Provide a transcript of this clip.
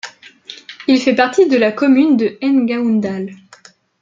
Il fait partie de la commune de Ngaoundal.